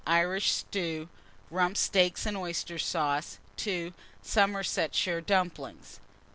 Irish stew, rump steaks and oyster sauce. 2. Somersetshire dumplings.